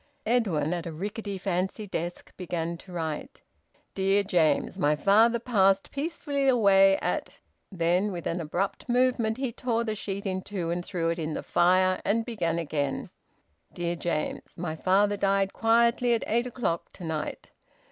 Edwin, at a rickety fancy desk, began to write: "Dear James, my father passed peacefully away at " Then, with an abrupt movement, he tore the sheet in two and threw it in the fire, and began again: "Dear James, my father died quietly at eight o'clock to night."